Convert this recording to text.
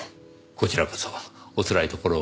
こちらこそおつらいところを。